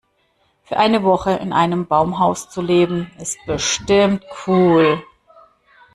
Für eine Woche in einem Baumhaus zu leben, ist bestimmt cool.